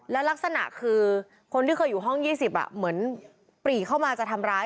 แล้วลักษณะคือคนที่เคยอยู่ห้อง๒๐เหมือนปรีเข้ามาจะทำร้าย